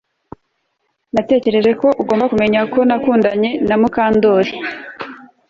Natekereje ko ugomba kumenya ko nakundanye na Mukandoli